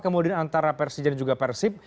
kemudian antara persis dan juga persip